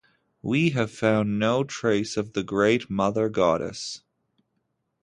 We have found no trace of the great Mother Goddess.